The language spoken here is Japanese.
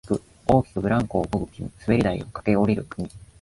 大きくブランコをこぐ君、滑り台を駆け下りる君、